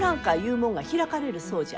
もんが開かれるそうじゃ。